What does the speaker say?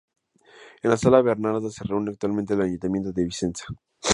En la Sala Bernarda se reúne actualmente el ayuntamiento de Vicenza.